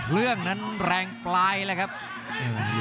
รับทราบบรรดาศักดิ์